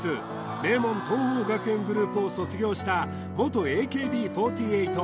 名門桐朋学園グループを卒業した元ＡＫＢ４８